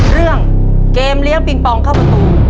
เรื่องเกมเลี้ยงเปลี่ยงปริงปองเข้าหมอตู